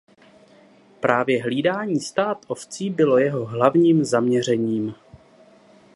Právě hlídání stád ovcí bylo jeho hlavním zaměřením.